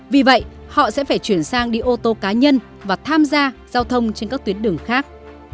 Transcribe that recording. vì vậy họ sẽ phải chuyển sang đi ô tô cá nhân và tham gia giao thông trên các tuyến đường khác